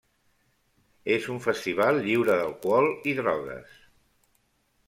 És un festival lliure d'alcohol i drogues.